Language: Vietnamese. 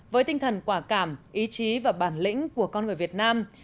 với tinh thần quả cảm ý chí và bản lĩnh của con người việt nam